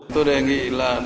tôi đề nghị là